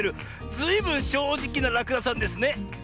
ずいぶんしょうじきならくださんですね。